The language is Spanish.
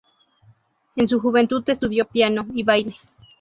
En su juventud estudió piano y baile.